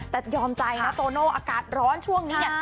แต่ยอมใจนะโตโน่อากาศร้อนช่วงนี้เนี่ย